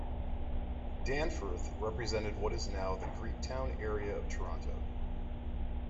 Danforth represented what is now the Greektown area of Toronto.